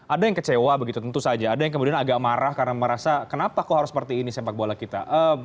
ada yang kecewa begitu tentu saja ada yang kemudian agak marah karena merasa kenapa kok harus seperti ini sepak bola kita